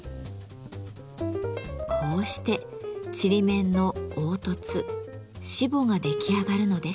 こうしてちりめんの凹凸しぼが出来上がるのです。